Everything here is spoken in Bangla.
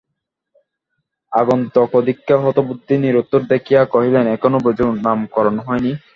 আগন্তুকদিগকে হতবুদ্ধি নিরুত্তর দেখিয়া কহিলেন, এখনো বুঝি নামকরণ হয় নি?